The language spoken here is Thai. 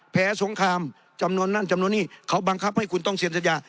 สงครามจำนวนนั่นจำนวนนี้เขาบังคับให้คุณต้องเซ็นสัญญา